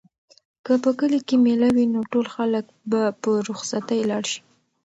که په کلي کې مېله وي نو ټول خلک به په رخصتۍ لاړ شي.